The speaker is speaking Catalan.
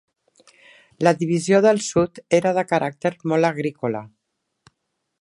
La divisió del sud era de caràcter molt agrícola.